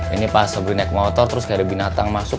ini pas sobri naik motor terus gak ada binatang masuk